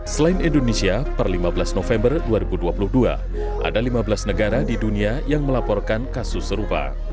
selain indonesia per lima belas november dua ribu dua puluh dua ada lima belas negara di dunia yang melaporkan kasus serupa